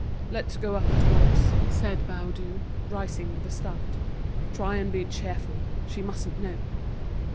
"Let's go up at once," said Baudu, rising with a start. "Try and be cheerful, she mustn't know."